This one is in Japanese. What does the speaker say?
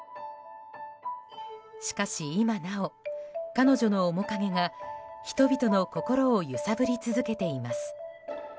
しかし、今なお彼女の面影が人々の心を揺さぶり続けています。